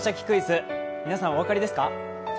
クイズ」、皆さんお分かりですか？